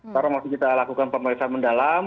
sekarang masih kita lakukan pemeriksaan mendalam